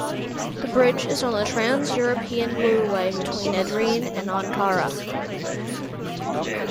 The bridge is on the Trans-European Motorway between Edirne and Ankara.